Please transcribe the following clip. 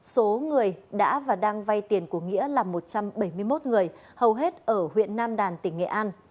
số người đã và đang vay tiền của nghĩa là một trăm bảy mươi một người hầu hết ở huyện nam đàn tỉnh nghệ an